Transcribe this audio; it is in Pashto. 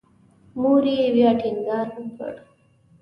مور یې بیا ټینګار وکړ.